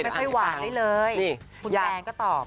ไม่ค่อยหวานได้เลยนี่คุณแตงก็ตอบ